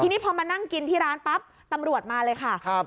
ทีนี้พอมานั่งกินที่ร้านปั๊บตำรวจมาเลยค่ะครับ